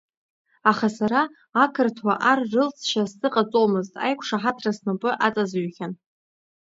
Аха сара ақырҭуа ар рылҵшьа сзыҟаҵомызт, аиқәшаҳаҭра снапы аҵазҩхьан.